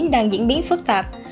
đang diễn biến phức tạp